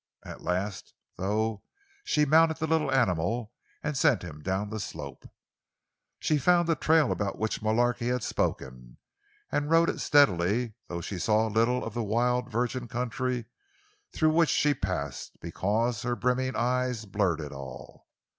At last, though, she mounted the little animal and sent him down the slope. She found the trail about which Mullarky had spoken, and rode it steadily; though she saw little of the wild, virgin country through which she passed, because her brimming eyes blurred it all.